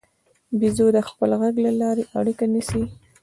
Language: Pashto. بیزو د خپل غږ له لارې اړیکه نیسي.